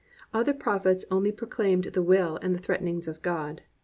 Other prophets only pro claimed the will and the threatenings of God.